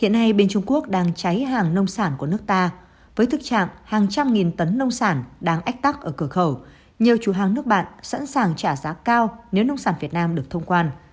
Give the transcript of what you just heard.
hiện nay bên trung quốc đang cháy hàng nông sản của nước ta với thực trạng hàng trăm nghìn tấn nông sản đang ách tắc ở cửa khẩu nhiều chủ hàng nước bạn sẵn sàng trả giá cao nếu nông sản việt nam được thông quan